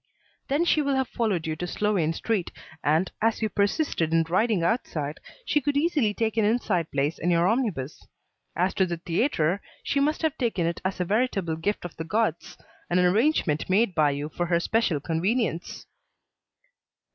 "Then she will have followed you to Sloane Street, and, as you persisted in riding outside, she could easily take an inside place in your omnibus. As to the theatre, she must have taken it as a veritable gift of the gods; an arrangement made by you for her special convenience."